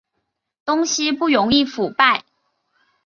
东西不容易腐败